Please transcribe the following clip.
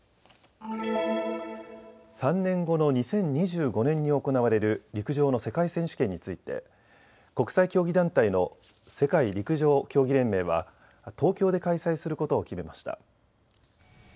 ３年後の２０２５年に行われる陸上の世界選手権について国際競技団体の世界陸上競技連盟は東京で開催することを決めました。